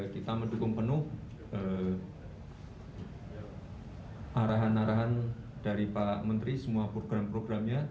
kita mendukung penuh arahan arahan dari pak menteri semua program programnya